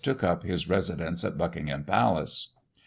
took up his residence at Buckingham Palace.